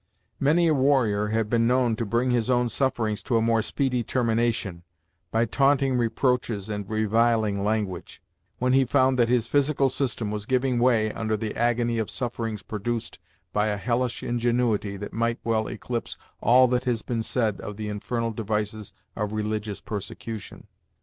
Many a warrior had been known to bring his own sufferings to a more speedy termination, by taunting reproaches and reviling language, when he found that his physical system was giving way under the agony of sufferings produced by a hellish ingenuity that might well eclipse all that has been said of the infernal devices of religious persecution.